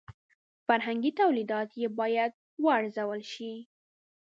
فرهنګي تولیدات یې باید وارزول شي.